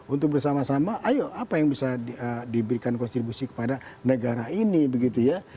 untuk bersama sama ayo apa yang bisa diberikan kontribusi kepada negara ini begitu ya